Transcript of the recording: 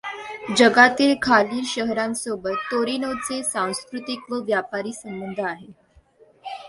जगातील खालील शहरांसोबत तोरिनोचे सांस्कृतिक व व्यापारी संबंध आहेत.